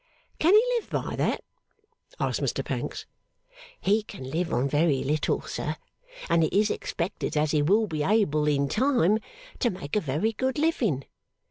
') 'Can he live by that?' asked Mr Pancks. 'He can live on very little, sir, and it is expected as he will be able, in time, to make a very good living.